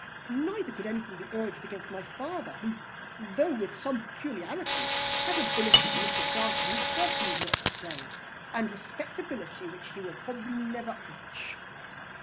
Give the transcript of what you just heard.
Neither could anything be urged against my father, who, though with some peculiarities, has abilities which Mr. Darcy himself need not disdain, and respectability which he will probably never reach."